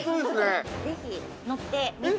◆ぜひ乗ってみて。